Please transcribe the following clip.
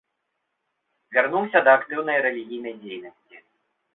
Вярнуўся да актыўнай рэлігійнай дзейнасці.